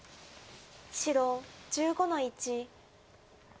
白１５の一。